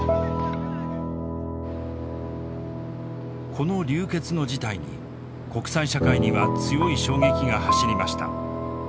この流血の事態に国際社会には強い衝撃が走りました。